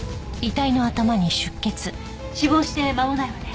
死亡して間もないわね。